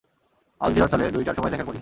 আজ রিহার্সালে, দুইটার সময় দেখা করি।